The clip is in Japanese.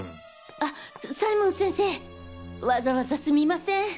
あっ斉門先生わざわざすみません。